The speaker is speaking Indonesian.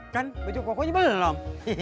kan baju kokonya belum